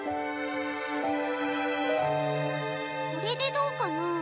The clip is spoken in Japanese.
これでどうかな？